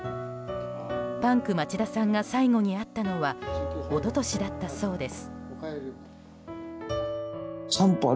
パンク町田さんが最後に会ったのは一昨年だったそうです。